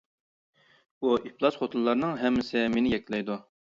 ئۇ ئىپلاس خوتۇنلارنىڭ ھەممىسى مېنى يەكلەيدۇ.